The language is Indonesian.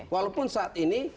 walaupun saat ini